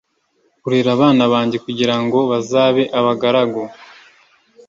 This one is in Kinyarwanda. kurera abana banjye kugira ngo bazabe abagaragu